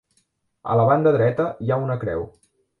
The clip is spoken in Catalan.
A la banda dreta hi ha una creu.